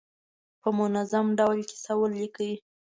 په منظم ډول کیسه ولیکي.